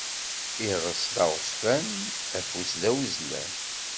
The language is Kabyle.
Iles d aɣezfan, afus d awezlan.